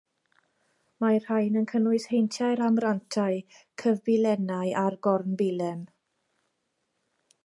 Mae'r rhain yn cynnwys heintiau'r amrantau, cyfbilennau, a'r gornbilen.